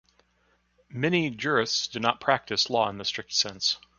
Many jurists do not practice law in the strict sense.